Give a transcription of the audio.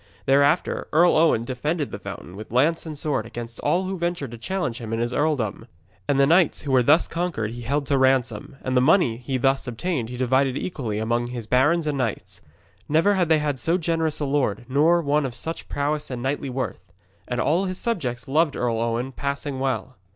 Thereafter Earl Owen defended the fountain with lance and sword against all who ventured to challenge him in his earldom. And the knights who were thus conquered he held to ransom, and the money he thus obtained he divided equally among his barons and knights. Never had they had so generous a lord, nor one of such prowess and knightly worth. And all his subjects loved Earl Owen passing well.